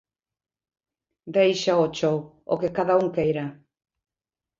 Déixao ao chou, ao que cada un queira.